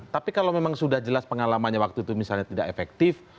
tapi kalau memang sudah jelas pengalamannya waktu itu misalnya tidak efektif